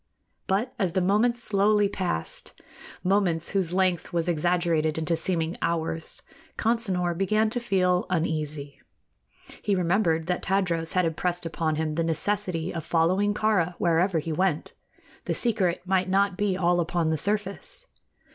But as the moments slowly passed moments whose length was exaggerated into seeming hours Consinor began to feel uneasy. He remembered that Tadros had impressed upon him the necessity of following Kāra wherever he went. The secret might not be all upon the surface.